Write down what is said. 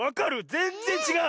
ぜんぜんちがう。